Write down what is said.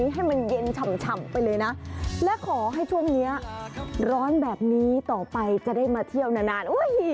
ให้มันเย็นฉ่ำไปเลยนะและขอให้ช่วงนี้ร้อนแบบนี้ต่อไปจะได้มาเที่ยวนาน